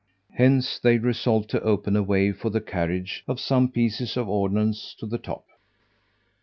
Hence they resolved to open a way for the carriage of some pieces of ordnance to the top.